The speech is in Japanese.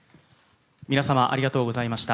皆様ありがとうございました。